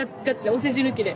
お世辞抜きで。